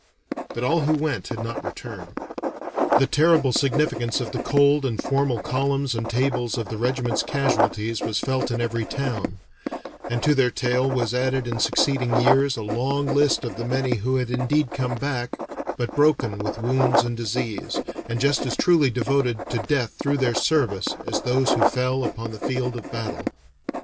But all who went had not returned. The terrible significance of the cold and formal columns and tables of the regiment's casualties was felt in every town, and to their tale was added in succeeding years a long list of the many who had indeed come back, but broken with wounds and disease, and just as truly devoted to death through their service as those who fell upon the field of battle.